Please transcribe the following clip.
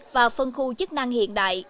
và phân khu chức năng hiện đại